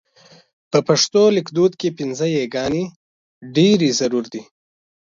په پښتو لیکدود کې پينځه یې ګانې ډېرې ضرور دي.